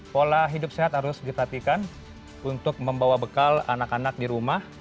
pola hidup sehat harus diperhatikan untuk membawa bekal anak anak di rumah